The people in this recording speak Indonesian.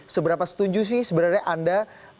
seberapa setuju sih sebenarnya anda